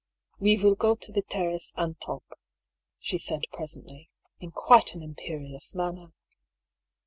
"We will go to the terrace and talk," she said presently, in quite an imperious manner.